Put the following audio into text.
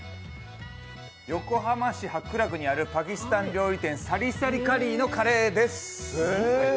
横浜市白楽にあるパキスタン料理店、サリサリカリーのカレーです。